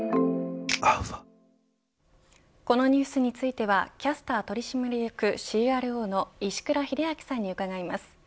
このニュースについてはキャスター取締役ＣＲＯの石倉秀明さんに伺います。